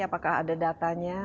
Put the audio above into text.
apakah ada datanya